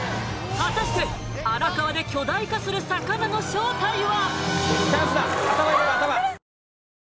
果たして荒川で巨大化する魚の正体は？